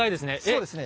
そうですね。